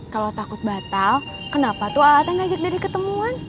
kalau takut batal kenapa tuh ata ngajak dede ketemuan